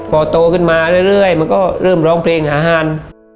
พอโตขึ้นมาเรื่อยมันก็เริ่มร้องเพลงอาหาร